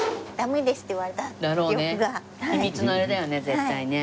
秘密のあれだよね絶対ね。